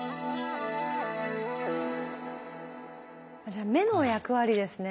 じゃあ目の役割ですね？